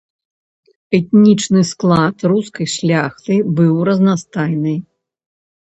Этнічны склад рускай шляхты быў разнастайны.